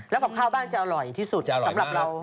แล้วกับข้าวบ้านจะอร่อยที่สุด